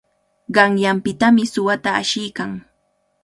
Qanyanpitami suwata ashiykan.